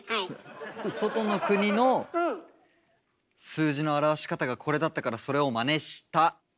数字の表し方がこれだったからそれをまねした。